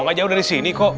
nggak jauh dari sini kok